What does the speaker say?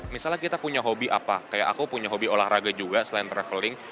misalnya kita punya hobi apa kayak aku punya hobi olahraga juga selain traveling